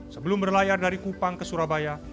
sebelum berlayar dari kupang ke surabaya